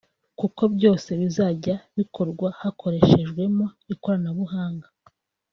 kuko byose bizajya bikorwa hakoreshejwemo ikoranabuhanga”